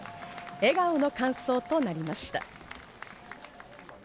笑顔の感想となりました。